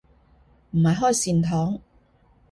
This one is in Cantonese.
唔係開善堂